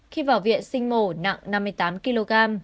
khi vào viện sinh mổ nặng năm mươi tám kg